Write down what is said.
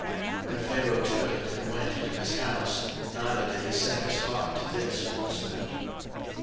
02:007:023 And Pharaoh turned and went into his house, neither did he set his heart to this also.